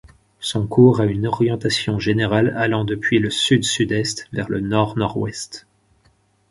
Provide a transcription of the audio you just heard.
Son cours a une orientation générale allant depuis le sud-sud-est vers le nord-nord-ouest.